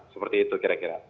seperti itu kira kira